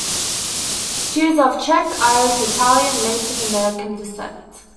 She is of Czech, Irish, Italian and Native American descent.